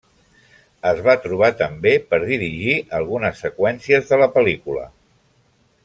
Es va trobar també per dirigir algunes seqüències de la pel·lícula.